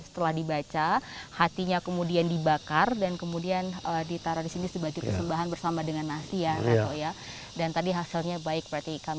terima kasih rato terima kasih bapak